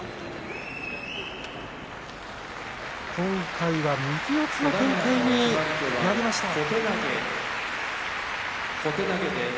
今回は右四つの展開になりました。